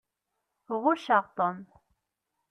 Ɣucceɣ Tom.